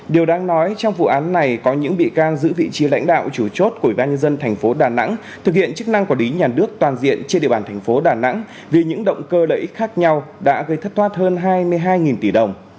điều đang nói trong vụ án này có những bị can giữ vị trí lãnh đạo chủ chốt của ubnd tp đà nẵng thực hiện chức năng quả lý nhà nước toàn diện trên địa bàn tp đà nẵng vì những động cơ lợi ích khác nhau đã gây thất thoát hơn hai mươi hai tỷ đồng